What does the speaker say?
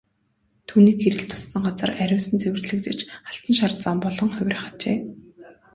Түүний гэрэл туссан газар ариусан цэвэрлэгдэж алтан шар зам болон хувирах ажээ.